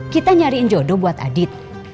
kita nyariin jodoh buat adit